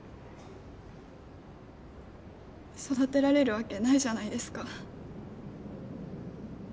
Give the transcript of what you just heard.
育てられるわけないじゃないですか。